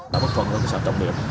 đã bắt phần trong sản trọng điểm